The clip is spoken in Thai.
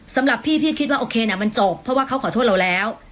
สำหรับพี่พี่คิดว่าโอเคนะมันจบเพราะว่าเขาขอโทษเราแล้ว